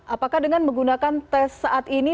apakah dengan menggunakan tes saat ini